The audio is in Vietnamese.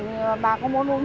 cháu không mang cáp